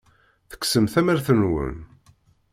Tekksem tamart-nwen.